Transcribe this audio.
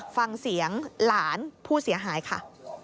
ฟังเสียงหลานผู้เสียหายค่ะ